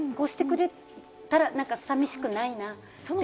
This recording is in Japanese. こうしてくれたら寂しくないな。